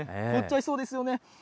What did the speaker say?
凍っちゃいそうですよね。